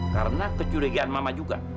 karena kecurigaan mama juga